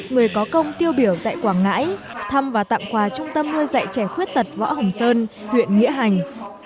người có công tiêu biểu dạy quảng ngãi thăm và tặng quà trung tâm nuôi dạy trẻ khuyết tật võ hồng sơn huyện nghĩa hành